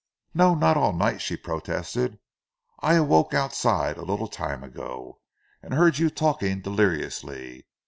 "No, not all night," she protested. "I awoke outside a little time ago, and heard you talking deliriously.